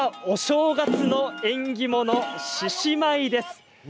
お正月の縁起物獅子舞です。